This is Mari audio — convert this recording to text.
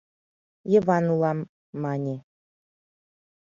— Йыван улам, мане.